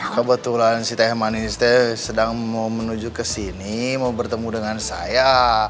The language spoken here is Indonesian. kebetulan si teh manis teh sedang mau menuju ke sini mau bertemu dengan saya